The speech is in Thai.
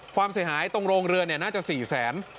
ความเสียหายตรงโรงเรือน่าจะ๔แสน